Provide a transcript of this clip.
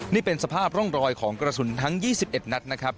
นี่เป็นสภาพร่องรอยของกระสุนทั้ง๒๑นัดนะครับ